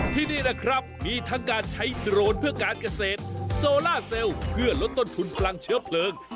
ที่นี่นะครับมีทั้งการใช้โดรนเพื่อการเกษตรโซล่าเซลล์เพื่อลดต้นทุนพลังเชื้อเพลิง